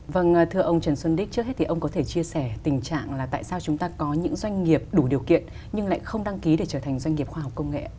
vâng thưa ông trần xuân đích trước hết thì ông có thể chia sẻ tình trạng là tại sao chúng ta có những doanh nghiệp đủ điều kiện nhưng lại không đăng ký để trở thành doanh nghiệp khoa học công nghệ